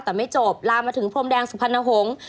แต่ไม่จบลามมาถึงพรมแดงสุพรรณหงษ์